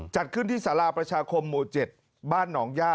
จัดขึ้นที่สาราประชาคมหมู่๗บ้านหนองย่า